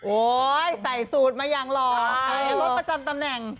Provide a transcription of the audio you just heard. โอ๊ยใส่สูตรมายังหรอกรถประจำตำแหน่ง